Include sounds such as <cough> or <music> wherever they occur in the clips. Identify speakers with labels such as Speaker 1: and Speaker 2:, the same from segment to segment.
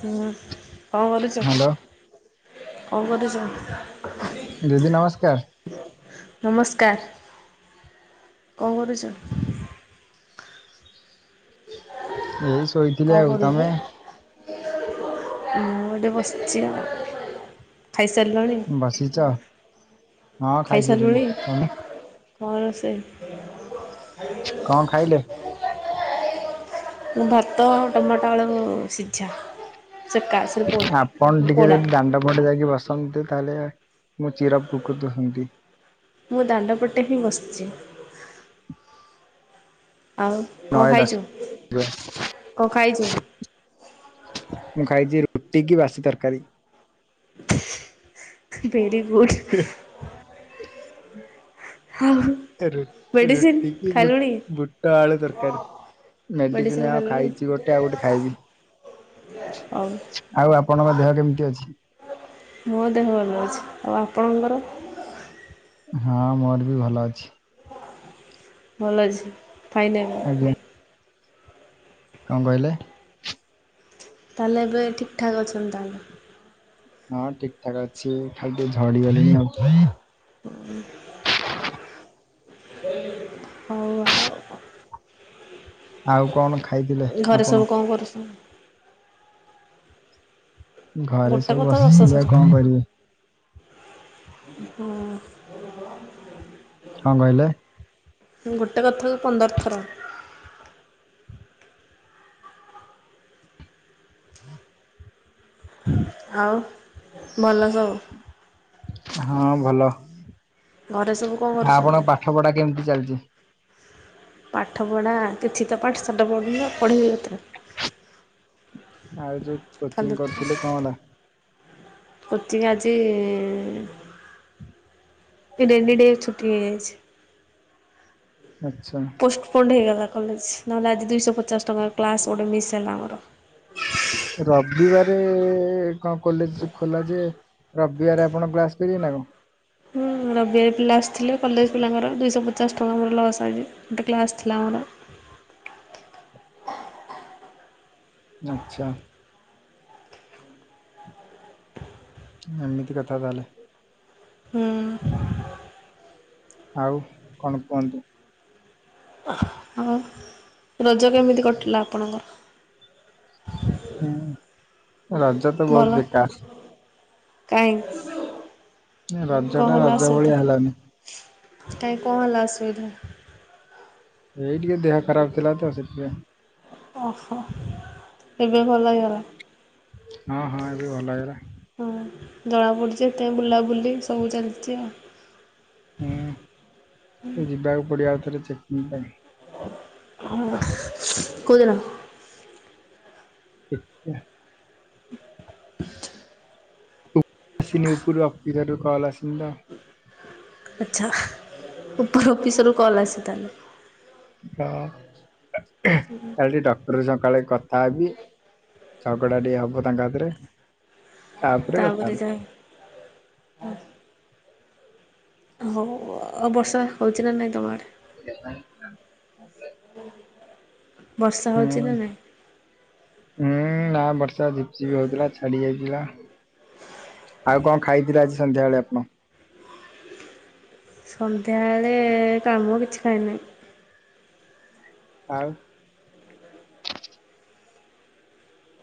Speaker 1: ହୁଁ କଁ କରୁଛ?
Speaker 2: ହ୍ୟାଲୋ
Speaker 1: କଁ କରୁଛ?
Speaker 2: ଦିଦି ନମସ୍କାର।
Speaker 1: ନମସ୍କାର, କଣ କରୁଛ?
Speaker 2: ହେଇ ଶୋଇଛି।
Speaker 1: କଁ କରୁଚି, ମୁଁ ଏଇଠି ବସିଛି ଆଉ। ଖାଇସାରିଲଣି,
Speaker 2: ବସିଛ ହଁ ଖାଇସାରିଲିଣି
Speaker 1: ଖାଇସାରିଲୁଣି?
Speaker 2: ତମେ
Speaker 1: କଣ ରୋଷେଇ?
Speaker 2: କଣ ଖାଇଲେ?
Speaker 1: ମୁଁ ଭାତ ଆଉ ଟମାଟୋ ଆଳୁ ସିଝା ସେକା ସରି ପୋ
Speaker 2: ଆପଣ ଟିକେ
Speaker 1: ପୋଡ଼ା
Speaker 2: ଯଦି ଦାଣ୍ଡ ପଟେ ଯାଇକି ବସନ୍ତେ ତାହେଲେ ମୁଁ ଚିରୋପ୍ରକୃତ ହୁଅନ୍ତି।
Speaker 1: ମୁଁ ଦାଣ୍ଡପଟେ ହିଁ ବସିଛି। ଆଉ କଣ
Speaker 2: ନୟ ଦାସ
Speaker 1: ଖାଇଛୁ, କଣ ଖାଇଛୁ?
Speaker 2: ମୁଁ ଖାଇଛି ରୁଟି କି ବାସି ତରକାରୀ।
Speaker 1: Very good.
Speaker 2: <inaudible>
Speaker 1: ଆଉ
Speaker 2: ରୁଟିି
Speaker 1: ମେଡ଼ିସିନ୍
Speaker 2: ରୁଟି କି ବୁଟ
Speaker 1: ଖାଇଲୁଣି
Speaker 2: ବୁଟ ଆଳୁ ତରକାରୀ।
Speaker 1: ମେଡ଼ିସିନ୍
Speaker 2: ମେଡିସିନ୍ ଆଉ
Speaker 1: ଖାଇଲୁଣି
Speaker 2: ଖାଇଛି ଗୋଟେ ଆଉ ଗୋଟେ ଖାଇବି।
Speaker 1: ହଉ
Speaker 2: ଆଉ ଆପଣଙ୍କ ଦେହ କେମିତି ଅଛି?
Speaker 1: ମୋ ଦେହ ଭଲ ଅଛି। ଆଉ ଆପଣଙ୍କର?
Speaker 2: ହଁ ମୋର ବି ଭଲ ଅଛି।
Speaker 1: ଭଲ ଅଛି ଫାଇନାଲି।
Speaker 2: ଆଜ୍ଞା କଣ କହିଲେ?
Speaker 1: ତାହେଲେ ଏବେ ଠିକ୍ ଠାକ୍ ଅଛନ୍ତି, ତାହେଲେ।
Speaker 2: ହଁ ଠିକ୍ ଠାକ୍ ଅଛି ଖାଲି ଟିକେ ଝଡ଼ି ଗଲିଣି ଆଉ।
Speaker 1: ହଉ ଆଉ।
Speaker 2: ଆଉ କଣ ଖାଇଥିଲେ? ଆପଣ
Speaker 1: <inaudible>
Speaker 2: ଘରେ
Speaker 1: ଗୋଟେ
Speaker 2: ସବୁ
Speaker 1: କଥା
Speaker 2: ଅସୁବିଧା
Speaker 1: ଦଶଥର
Speaker 2: କଣ କରିବି।
Speaker 1: ହଁ
Speaker 2: କଣ କହିଲେ?
Speaker 1: ଗୋଟେ କଥା ପନ୍ଦର ଥର ଆଉ ଭଲ ସବୁ।
Speaker 2: ହଁ ଭଲ ଆ
Speaker 1: ଘରେ ସବୁ କଣ କରୁଛନ୍ତି?
Speaker 2: ଆପଣଙ୍କ ପାଠ ଠବଟା କେମିତି ଚାଲିଛି?
Speaker 1: ପାଠ ପଢ଼ା କିଛି ତ ପାଠ ଶାଠ ପଢ଼ୁନି ପଢ଼େଇବି ପତରେ
Speaker 2: ଆଉ ଯଉ
Speaker 1: ଖଣ୍ଡ କତି ଆଜି ର ଏନ ଡ ଛଟି ହେଇଯାଇଛି।
Speaker 2: ଆଚ୍ଛା।
Speaker 1: ପୋଷ୍ଟ ପୋଣ୍ଡ ହେଇଗଲା କଲେଜ୍ ନହେଲେ ଆଜି ଦୁଇଶହ ପଚଶ ଟଙ୍କା କ୍ଲାସ୍ ଓଟେ ମ ମିସ୍ସଲା ଆର
Speaker 2: ରବିବାରେ କଣ କଲେଜ ଖୋଲା ଯେ ରବିବାରେ ଆପଣ କ୍ଲାସ କର ଯିବେ ନା କଣ?
Speaker 1: ହଁ ରବିିବାର ପିଲା ଆସିଥିଲେ କଲେଜ ପିଲାଙ୍କର ଦୁଇଶହ ପଚାଶ ଟଙ୍କା ମୋର ଲସ୍ ଆସିଛି। ଗଟେ କ୍ଲାସ୍ ଥିଲାର
Speaker 2: ଆଛା। ଏମିତି କଥା ତାହେଲେ।
Speaker 1: ହଁ
Speaker 2: ଆଉ କଣ କୁହନ୍ତୁ?
Speaker 1: ହଉ ରଜ କେମିତି କଟିଲା ଆପଣଙ୍କର?
Speaker 2: ହୁଁ ରଜ ତ
Speaker 1: ଭଲ?
Speaker 2: ବହୁତ ବକାରାଶ।
Speaker 1: କାହିଁ
Speaker 2: ରଜ ଟା
Speaker 1: କହିଲ
Speaker 2: ରଜ ଭଳିଆ
Speaker 1: ସୁଧା।
Speaker 2: ହେଲାନି।
Speaker 1: କାହିଁ କଣ ହେଲା ଅସୁବିଧା।
Speaker 2: ଏଇ ଟିକେ ଦେହ ଖରାପ ଥିଲା ତ ସେ ଟିକେ
Speaker 1: ଅହ ଏବେ ଭଲ ହେଇଗଲା।
Speaker 2: ହଁ ହଁ ଏବେ ଭଲ ହେଲା।
Speaker 1: ହଁ ଜଣାପଡ଼ିୁଛି ଏତେ ବୁଲାବୁଲି ସବୁ ଚାଲିଛି ଆଉ।
Speaker 2: ହୁଁ ଯିବାକୁ ପଡିବଉ ଥରେ ଚେକିଂ ପାଇଁ।
Speaker 1: କଦିନ
Speaker 2: ଆଛା।
Speaker 1: <inaudible>
Speaker 2: ଆସିନି ଉପରୁ ଆ ପିରାରୁ କା ଆସିିନ୍ଦା
Speaker 1: ଆଛା ଉପରୁ ଅଫିସରୁ କଲ ଆସିଛି ତାହାଲେ
Speaker 2: ହଁ
Speaker 1: ହୁଁଁ
Speaker 2: କାଲି ଟିକେ ଡକ୍ଟର ସକାଳେ କଥା ହେବି ଝଗଡା ଟିକେ ହବ ତାଙ୍କ ହାତରେ କଥା
Speaker 1: ତାପରେ
Speaker 2: ହେବି।
Speaker 1: ଯାଇ ହଉ ବର୍ଷା ହଉଛି ନା ନାଇଁ ତମ ଆଡେ? ହୁଁ
Speaker 2: ହୁଁ ହୁଁ ନାଁ ବର୍। ଝିପିପି ହଉଥିଲା ଛାଡି ଯାଇଥିଲା ଆଉ କଣ ଖାଇଥିଲା ଆଜି ସନ୍ଧ୍ୟାବେଳେ ଆପଣ?
Speaker 1: ସନ୍ଧ୍ୟାବେଳେ କାମ କିଛି ଖାଇ ନାହିଁ।
Speaker 2: ଆଉ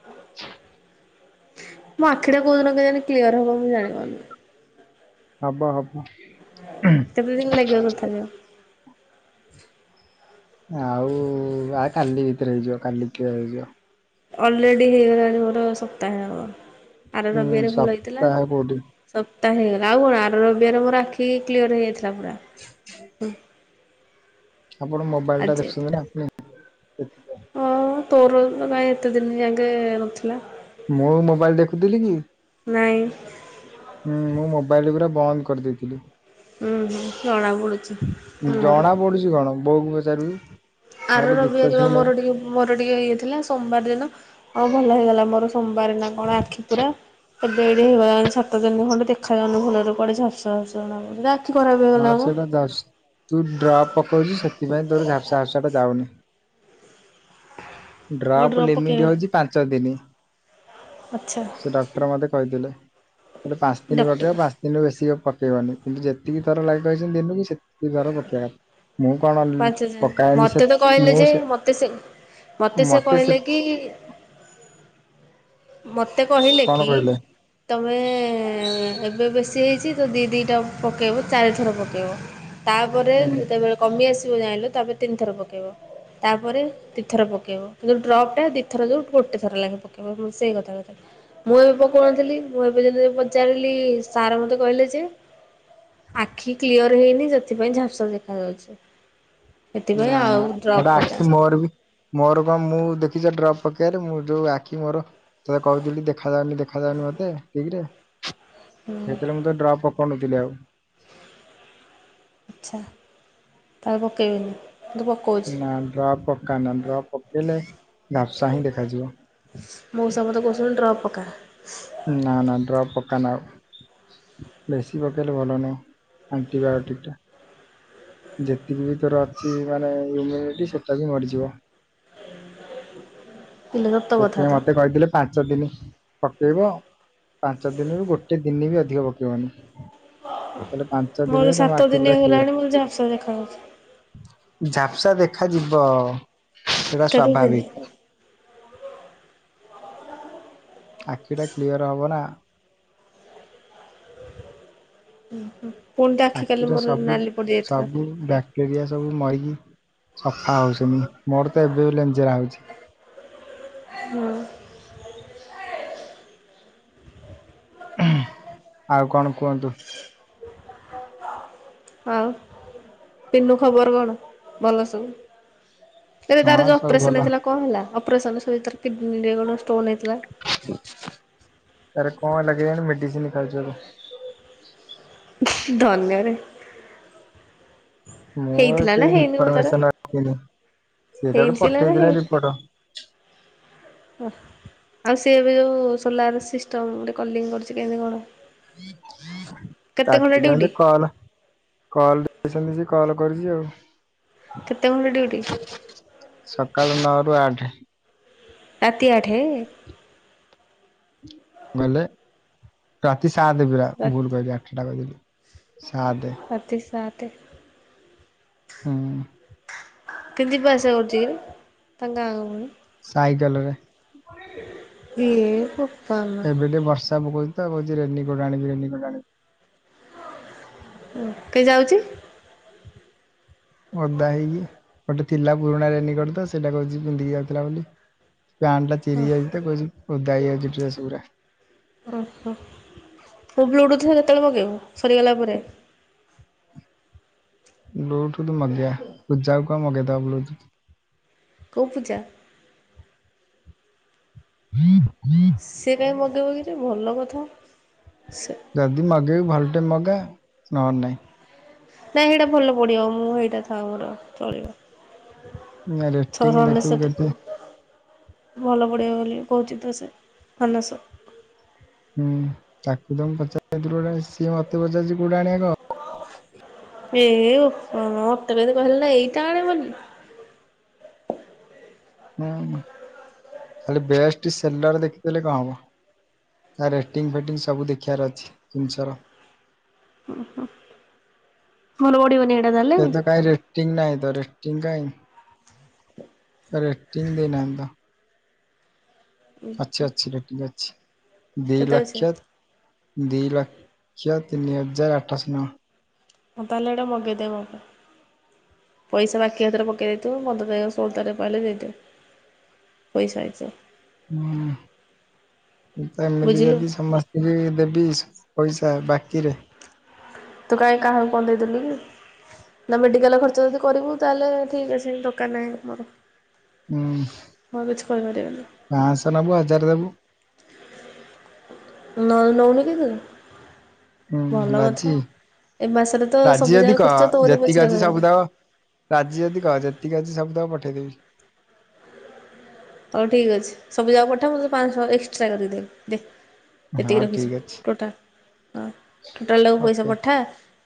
Speaker 2: <inaudible>
Speaker 1: ମୋ ଆଖି କଉଦିନ କେଜାଣି କ୍ଲିୟର ହବ ମୁଁ ଜାଣି ପାରୁନି।
Speaker 2: ହବ ହବ।
Speaker 1: କେତେ ଦିନ ଲାଗିବ ତଥାପି।
Speaker 2: ଆଉ ଆ କାଲି ଭିତରେ ହେଇଯିବ କାଲି କ୍ଲିୟର ହେଇଯିବ।
Speaker 1: ଅଲରେଡି ହେଇଗଲାଣି ମୋର ସପ୍ତାହେ ହବ ଆର
Speaker 2: ହୁଁ
Speaker 1: ରବିବରେ ଭଲ ହେଇଥିଲା।
Speaker 2: ସପ୍ତାହ କୋଉଠି
Speaker 1: ସପ୍ତାହ ହେଇଗଲା ଆଉ କଣ ଆର ରବିବରେ ମୋର ଆଖିକି କ୍ଲିଅର ହେଇଯାଇଥିଲା ପୁରା।
Speaker 2: ଆପଣ ମୋବାଇଲ ଟା ଦେଖୁଛନ୍ତି ନା ସେଥି ପାଇଁ।
Speaker 1: ଓଁ ତୋର ଭାଇ ଏତେ ଦିନ ଯାକେ ନଥିଲା।
Speaker 2: ମୋ ମୋବାଇଲ ଦେଖୁଥିଲି କି।
Speaker 1: ନାଇଁ।
Speaker 2: ହୁଁ ମୁଁ ମୋବାଇଲ ପୁରା ବନ୍ଦ କରିଦେଇଥିଲି।
Speaker 1: ଉଁ ହୁଁ ଜଣାପଡୁଛି ମୁହଁ ରୁ।
Speaker 2: ପଢୁଛି କଣ ବଉକୁ ବଚାରନି।
Speaker 1: ଆର ରବିବାରେ ମୋର ଟିକେ ମୋର ଟିକେ ଇଏ ଥିଲା ସୋମବାର ଦିନ ହ ଭଲ ହେଇଗଲା ମୋର ସୋମବାର ନା କଣ ଆଖି ପୁରା। ଏବେ ଏଠି ହେଇଗଲାଣି ଶାତ ଦିନି ଖଣ୍ଡେ ଦେଖାଯାଉନି ଭଲରେ କୁଆଡେ, ଝାପ୍ସା ଝାପ୍ସା ଜଣା ପଡୁଚି, ରା
Speaker 2: ହଁ ସେଇଟା ଝାପ ତୁ ଡ୍ରପ୍ ପକଉଚୁ ସେଥିପାଇଁ ତୋର ଝାପ୍ସା ଟା ଯାଉନି।
Speaker 1: ଆଉ
Speaker 2: ଡ୍ରପ୍
Speaker 1: ଡ୍ରପ
Speaker 2: ଲିମିଟ
Speaker 1: ପକେଇବେ
Speaker 2: ହଉଛି ପାଞ୍ଚ ଦିନ।
Speaker 1: ଆଚ୍ଛା।
Speaker 2: ସେ ଡକ୍ଟର ମତେ କହିଥିଲେ ହେଲେ ପାଞ୍ଚ ଦିନ ବଗ
Speaker 1: ଡକ୍ଟର
Speaker 2: ପା ଦିନୁ ବେଶୀ ପକେଇବନି କିନ୍ତୁ ଯେତିକି ଥର ଲାଗି କହିଛନ୍ତି ଦିନୁ କି ସେତିକି ଥର ପକେଇବା ମୁଁ କଣ
Speaker 1: ପାଞ୍ଚ ଦିନ
Speaker 2: ପକାଏନି ସେ
Speaker 1: ମତେ ତ କହିଲେ
Speaker 2: ମୁଁ
Speaker 1: ଯେ
Speaker 2: ସେ
Speaker 1: ମତେ ସେ ମତେ ସେ କହିଲେ କି ମତେ କହିଲେ
Speaker 2: କଣ
Speaker 1: କି
Speaker 2: କହିଲେ
Speaker 1: ତମେ ଏବେ ବେଶୀ ହେଇଛି ତ ଦିଇ ଦିଇଟା ପକାଇବ ଚାରିଥର ପକେଇବ। ତାପରେ
Speaker 2: ହୁଁ
Speaker 1: ଯେତେବେଳେ କମି ଆସିବ ଜାଇଁଲୁ ତାପରେ ତିନି ଥର ପକେଇବ। ତାପରେ ଦିଇଥର ପକେଇବ ଯୋଉ ଡ୍ରପ୍ ଟା ଦିଥର ଯୋଉ ଗୋଟେ ଥର ଲାଗେ ପ ରୋସେଇ କଥାବଥା ମୁଁ ଏବେ ପକଉନଥିଲି ମୁଁ ଏବେ ଯଦି ପଚାରିଲି ସାର୍ ମତେ କହିଲେ ଯେ ଆଖି କ୍ଲିୟର ହେଇନି ସେଥିପାଇଁ ଝାପସା ଦେଖା ଯାଉଛି।
Speaker 2: ନା ନା ହେଟା
Speaker 1: ପକା
Speaker 2: ଆଖି ମୋର ବି ମୋର କଣ ମୁଁ ଦେଖିଛ ଡ୍ରପ୍ ପକେଇବାରେ ମୁଁ ଯୋଉ ଆଖି ମୋର ତତେ କହୁଥିଲି ଦେଖାଯାଉନି ଦେଖାଯାଉନି ମତେ ଠିକରେ।
Speaker 1: ହୁଁ
Speaker 2: ସେତେଳେ ମୁଁ ତ ଡ୍ରପ୍ ପକଉନଥିଲି ଆଉ।
Speaker 1: ଆଚ୍ଛା ଆଉ ପକେଇବେନୀ କିନ
Speaker 2: ନା ଡ୍ରପ ପକା ନା ଡ୍ରପ୍ ପକେଇଲେ ଝାପସା ହିଁ ଦେଖାଯିବ।
Speaker 1: ବହୁତ୍ ସାଙ୍ଗ ତ କହୁଚନ୍ତି ଡ୍ରପ ପକା।
Speaker 2: ନା ନା ଡ୍ରପ ପକା ନା ଆଉ। ବେଶି ପକେଇଲେ ଭଲନାହିଁ ଆଂଟି ବା ଇଓ ଟିକ ଟା। ଯେତିକି ବି ତୋର ଅଛି ମାନେ ଇମୁନିଟି ସେଟ ବି ମରିଯିବ।
Speaker 1: ଇଲୋ ସତ କଥା
Speaker 2: ସେଥିପାଇଁ
Speaker 1: ତ
Speaker 2: ମତେ କହିଥିଲେ ପାଞ୍ଚ ଦିନ ପକେଇବ ପାଞ୍ଚ ଦିନରୁ ଗୋଟେ ଦିନ ବି ଅଧିକ ପକେଇବନି। ହେଲେ ପାଞ୍ଚ
Speaker 1: ମୋର
Speaker 2: ଦିନିରେ ତମ
Speaker 1: ସାତ
Speaker 2: ଆଖି
Speaker 1: ଦିନ
Speaker 2: ପୁରା କ୍ଳିଅର।
Speaker 1: ହେଇଗଲାଣି ମୋତେ ଝାପ୍ସା ଦେଖାଯାଉଛି
Speaker 2: ଝାପ୍ସା ଦେଖାଯିବ ସେଟା
Speaker 1: କେତେ ଦିନି
Speaker 2: ସ୍ୱାଭାବିକ। ଆଖିଟା କ୍ଲିଅର ହବ ନା।
Speaker 1: ଉଁହୁଁ ପୁଣି ତ ଆଖି କାଲି ମୋର ନାଲି ପଡ଼ିଯାଇଥିଲା।
Speaker 2: ହିଁ ବା କେ ରିଆ ସବୁ ମରିକି ସଫା ହଉଚନି ମୋର ତ ଏବେ ବି ଲେଞ୍ଜେରା ହଉଛି।
Speaker 1: ହୁଁ।
Speaker 2: ହୁଁ ଆଉ କଣ କୁହନ୍ତୁ?
Speaker 1: ହଁ ପିନୁ ଖବର କଣ ଭଲ ସବୁ? ଏବେ ତାର
Speaker 2: ହଁ
Speaker 1: ଯୋଉ
Speaker 2: ସବୁ ଭଲ।
Speaker 1: ଅପରେସନ ହେଇଥିଲା କଣ ହେଲା ଅପରେସନରେ ସବୁ ଏ ତାର କିଡ଼ନୀ ରେ ଷ୍ଟୋନ ହେଇଥିଲା।
Speaker 2: ତାର କଣ ହେଲା କେଜାଣି ମେଡିସିନି ଖାଉଚନ୍ତି।
Speaker 1: ଧନ୍ୟରେ
Speaker 2: ମୁଁ
Speaker 1: ହେଇଥିଲା
Speaker 2: ଏତେ
Speaker 1: ନା ହେଇନି ମ ତାର
Speaker 2: ଇନଫରମେସନ ରଖିନି। ସିଏ ତ ଗୋଟେ
Speaker 1: ହେଇଥିଲା ନା
Speaker 2: ପଠେଇଥିଲା
Speaker 1: ହେଇ
Speaker 2: ରିପୋର୍ଟ।
Speaker 1: ନଥିଲା? ଓଃ। ଆଉ ସିଏ ଏବେ ଯୋଉ ସୋଲାର ସିଷ୍ଟମ ଗୁଟେ କଲିଙ୍ଗ କରୁଚି କେମତି କଣ? କେତେ ଘଣ୍ଟା
Speaker 2: ତାକୁ
Speaker 1: ଡ୍ୟୁଟି
Speaker 2: ତାହାଲେ କଲ କଲ ଛନ୍ତି ସେ କଲ କରିଚି ଆଉ।
Speaker 1: କେତେ ଘଣ୍ଟା ଡ଼ିଉଟି?
Speaker 2: ସକାଳ ନଅରୁୁ ଆଠେ।
Speaker 1: ରାତି ଆଠେ ଏ?
Speaker 2: ଗଲେ ରାତି ସାତେ ପୁରା
Speaker 1: ରା
Speaker 2: ଭୁଲ କହିଲି ଆଠେଟା କହିଦେଲି ସାତେ।
Speaker 1: ରାତି ସାତେ
Speaker 2: ହୁଁ।
Speaker 1: କିନ୍ତି ଯିବା ଆସିବା କରୁଚି କିରେ ତାଙ୍କ ଗାଁକୁ ପୁଣି?
Speaker 2: ସାଇକେଲରେ।
Speaker 1: ଇଏ ହୋ
Speaker 2: ଏବେ ଟିକେ ବର୍ଷା ପକଉଚି ତ କହୁଚି ରେନିକୋଟ ଆଣିବି ରେନିକୋଟ ଆଣିବି।
Speaker 1: ଓ କେ ଯାଉଚି?
Speaker 2: ଓଦା ହେଇକି ଗୋଟେ ଥିଲା ପୁରୁଣା ରେନିକୋଟ ତ ସେଟା କହୁଚି ପିନ୍ଧିକି ଯାଉଥିଲା ବୋଲି। ପ୍ୟାଣ୍ଟ ଟା ଚିରି ଯାଇଚି ତ କହୁଚି ଓଦା ହେଇଯାଉଚି ଡ୍ରେସ ଗୁରା।
Speaker 1: ଓହୋ ତୁ ବ୍ଲୁଟୁଥ୍ ଟା କେତେବେଳେ ମଗେଇବୁ ସରିଗଲା ପରେ?
Speaker 2: ବ୍ଲୁଟୁଥ୍ ମଗେଇବା ପୂଜାକୁ କହ ମଗେଇଦବ ବ୍ଲୁଟୁଥ୍।
Speaker 1: କୋଉ ପୂଜା? ସିଏ କାଇଁ ମଗେଇବ କିରେ ଭଲ କଥା ସେ।
Speaker 2: ଯଦି ମଗେଇବୁ ଭଲଟେ ମଗା ନହେନ ନାଇଁ।
Speaker 1: ନାଇଁ ହେଇଟା ଭଲ ପଡ଼ିବ ମୁଁ ହେଇଟା ଥାଉ ମୋର ଚଳିବ।
Speaker 2: ନାଇଁ ରେଟିଂ ଦେଖିବୁ
Speaker 1: ଛଅଶହଅନେଶତ୍।
Speaker 2: କେତେ
Speaker 1: ଭଲ ପଡ଼ିବ ବୋଲି କହୁଚି ତ ସେ ମାନସ।
Speaker 2: ହୁଁ ତାକୁ ତ ମୁଁ ପଚାରିଥିଲି ସେଇଥିରୁ ଗୋଟେ ସିଏ ମତେ ପଚାରୁଚି କୋଉଟି ଆଣିବା କହ।
Speaker 1: ଏହେ ବୋପା ମା ମତେ କେନ୍ତି କହିଲା ଏଇଟା ଆଣେ ବୋଲି।
Speaker 2: ହୁଁ ଖାଲି ବେଷ୍ଟ ସେଲର ଦେଖି ଦେଲେ କଣ ହବ? ତା ରେଟିଙ୍ଗ ଫେଟିଙ୍ଗ ସବୁ ଦେଖିବାର ଅଛି ଜିନଷର।
Speaker 1: ଓହୋ। ମୋର ଓଡ଼ି ବନି ହେଇଟା ତାହାଲ
Speaker 2: ସେତ ଙ୍କାଇରେ। ଟିଙ୍କ୍ ନାଇଁ ଦରେ ଟିଙ୍କ୍ ନାଇଁ ରେଟିଙ୍କ୍ ଦେଇନାହି ତ। ଅଛି ଅଛି ରେଟିଙ୍ଗି ଅଛି ଠିକ ଅଛି ଦି ଲକ୍ଷ। ଦିଇ ଲକ୍ଷ ତିନି ହଜାର ଆଠଶ ନଅ।
Speaker 1: ହଉ ତାଲେ ଏଟା ମଗେଇଦେବ। ପଇସ ବାକି ହାତରେ ପକେଇ ଦେଇଥିବୁ ପନ୍ଦର ତରିଖ ଷୋଳ ତାରିଖ ପାଇଲେ ଦେଇଦେବି। ପଇସା ହିସାବ।
Speaker 2: ହୁଁ ମୁଁ ତ ଏମ ବି
Speaker 1: ବୁଝିଲୁ
Speaker 2: ଯବି ସମା। ଟିକେ ଦେବି ପଇସା ବାକିରେ।
Speaker 1: ତୁ କାହିଁ କାହାକୁ କଣ ଦେଇଦେଲି କି। ନା ମେଡିକାଲ ଖର୍ଚ୍ଚ ଯଦି କରିବୁ ତାହେଲେ ଠିକ୍ ଅଛି ଦୋକାନେ ଆମର।
Speaker 2: ହୁଁ
Speaker 1: କହିପାରିବିନି।
Speaker 2: ପାଞ୍ଚଶ ନବୁ ହଜାରେ ଦବୁ।
Speaker 1: ନ ନଉନି କେତେ।
Speaker 2: ହୁଁ ରାଜି
Speaker 1: ଏ ମାସରେ ତ
Speaker 2: ରାଜି
Speaker 1: ସବୁ ଯାକ
Speaker 2: ଅଧିକ
Speaker 1: ଖର୍ଚ୍ଚ ତୋରି
Speaker 2: ଯେତିକି
Speaker 1: ପଛରେ
Speaker 2: ଅଛି
Speaker 1: ଗଲା।
Speaker 2: ସବୁତକ। ରାଜି ଯଦି କହ ଯେତିକି ଅଛି ସବୁତକ ପଠେଇଦେବି।
Speaker 1: ହଉ ଠିକ୍ ଅଛି ସବୁ ଯାକ ପଠା ମୁଁ ପାଞ୍ଚଶ ଏକ୍ସଟ୍ରା କରିଦେବି ଦେ। ଏତିକି
Speaker 2: ହଁ
Speaker 1: ରଖିଛୁ
Speaker 2: ଠିକ ଅଛି
Speaker 1: ଟୋଟାଲ ହଁ ଟୋଟାଲଟାକୁ ପଇସା
Speaker 2: ଓକେ
Speaker 1: ପଠା।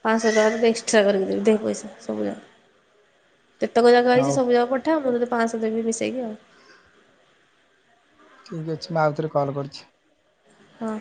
Speaker 1: ପାଞ୍ଚଶ ଟଙ୍କା ଏକ୍ସଟ୍ରା କରିକି ଦେବି ଦେ ପଇସା ସବୁ ଜାକ ତେତେକ ଜାକ
Speaker 2: ହଉ
Speaker 1: ଆଇଛି ସବୁ ଜାକ ପ ନା ମୁଁ ତ ପାଞ୍ଚଶ ଦେବି ମିଶେଇକି ଆଉ।
Speaker 2: ଠିକ୍ ଅଛି ମା ଆଉଥରେ କଲ୍ କରୁଛି।
Speaker 1: ହଁ।